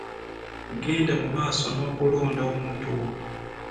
Genda mu maaso n'okulonda omuntu wo.